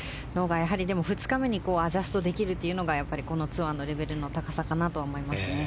でも２日目にアジャストできるというのがこのツアーのレベルの高さかなと思います。